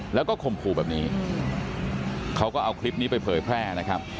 แล้วก็ข่มขู่แบบนี้เขาก็เอาคลิปนี้ไปเผยแพร่นะครับ